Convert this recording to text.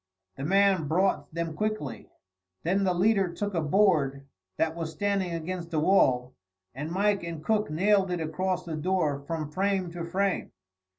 The man brought them quickly; then the leader took a board that was standing against the wall, and Mike and Cook nailed it across the door from frame to frame.